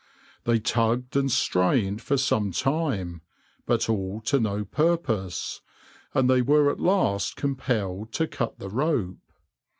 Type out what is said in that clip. They tugged and strained for some time, but all to no purpose, and they were at last compelled to cut the rope.